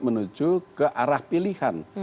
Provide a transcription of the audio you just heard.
menuju ke arah pilihan